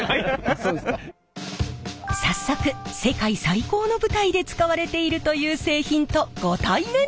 早速世界最高の舞台で使われているという製品とご対面。